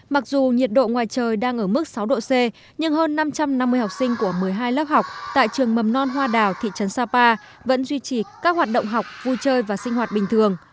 mặc dù nhiệt độ ngoài trời đang ở mức sáu độ c nhưng hơn năm trăm năm mươi học sinh của một mươi hai lớp học tại trường mầm non hoa đào thị trấn sapa vẫn duy trì các hoạt động học vui chơi và sinh hoạt bình thường